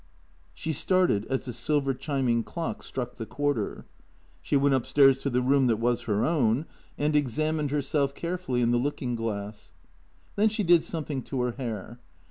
She started as the silver chiming clock struck the quarter. She went up stairs to the room that was her own, and exam 156 THE CKEA TOES ined herself carefully in the looking glass. Then she did some thing to her hair.